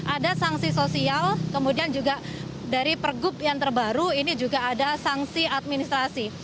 ada sanksi sosial kemudian juga dari pergub yang terbaru ini juga ada sanksi administrasi